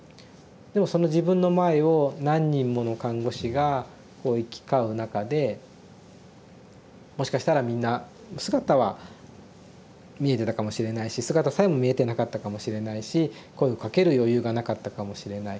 でもその自分の前を何人もの看護師がこう行き交う中でもしかしたらみんな姿は見えてたかもしれないし姿さえも見えてなかったかもしれないし声をかける余裕がなかったかもしれない。